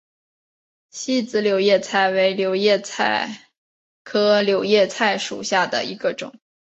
细籽柳叶菜为柳叶菜科柳叶菜属下的一个种。